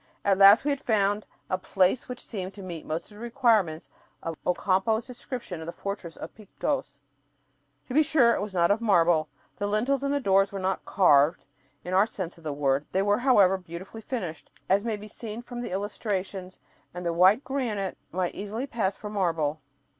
At last we had found a place which seemed to meet most of the requirements of Ocampo's description of the "fortress of Pitcos." To be sure it was not of "marble," and the lintels of the doors were not "carved," in our sense of the word. They were, however, beautifully finished, as may be seen from the illustrations, and the white granite might easily pass for marble.